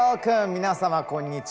皆様こんにちは。